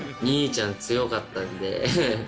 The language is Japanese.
兄ちゃん強かったんで。